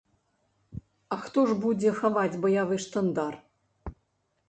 А хто ж будзе хаваць баявы штандар?